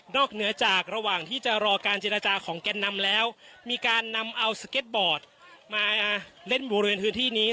เหนือจากระหว่างที่จะรอการเจรจาของแกนนำแล้วมีการนำเอาสเก็ตบอร์ดมาเล่นบริเวณพื้นที่นี้